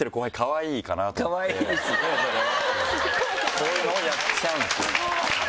そういうのをやっちゃうんですよね。